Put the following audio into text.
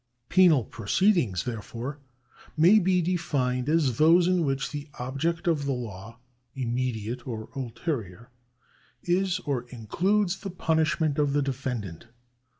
Penal proceedings, therefore, may be defined as those in which the object of the law, immediate or ulterior, is or includes the punishment of the defendant.